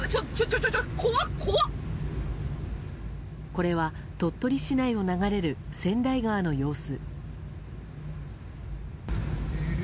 これは鳥取市内を流れる千代川の様子。